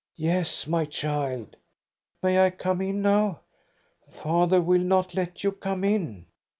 " Yes, my child." " May I come in now?" " Father will not let you come in."